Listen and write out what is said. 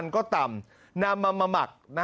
น้ำมะมะหมัก